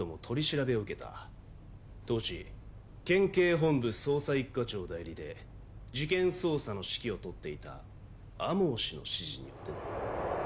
当時県警本部捜査一課長代理で事件捜査の指揮を執っていた天羽氏の指示によってね。